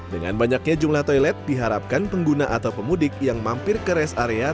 dengan banyaknya jumlah toilet diharapkan pengguna atau pemudik yang mampir ke rest area